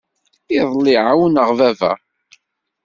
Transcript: Iḍelli ɛawneɣ baba.